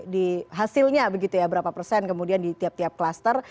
di hasilnya begitu ya berapa persen kemudian di tiap tiap klaster